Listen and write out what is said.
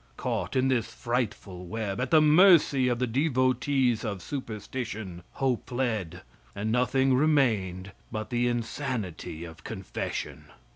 Caught in this frightful web, at the mercy of the devotees of superstition, hope fled and nothing remained but the insanity of confession.